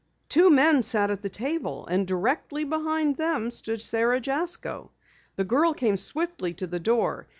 Two men sat at the table, and directly behind them stood Sara Jasko. The girl came swiftly to the door.